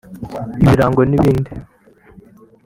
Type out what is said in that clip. ibirago n’ibindi